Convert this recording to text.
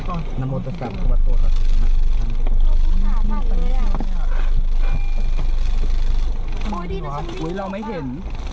โอ้ยดีนะชิคกี้พายอุ้ยเราไม่เห็น